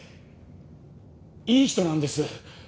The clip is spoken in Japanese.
いい人なんです。